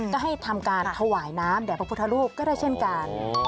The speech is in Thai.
ก็ให้ทำการถวายน้ำแด่พระพุทธรูปก็ได้เช่นกัน